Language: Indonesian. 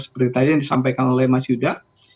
seperti tadi yang disampaikan oleh mas yuda